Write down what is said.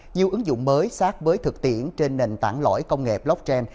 nhiều ứng dụng mới sát với thực tiễn trên nền tảng lõi công nghệ blockchain